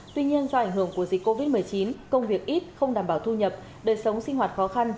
tuy nhiên do ảnh hưởng của dịch covid một mươi chín công việc ít không đảm bảo thu nhập đời sống sinh hoạt khó khăn